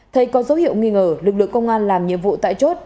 thấy có dấu hiệu nghi ngờ lực lượng công an làm nhiệm vụ tại chốt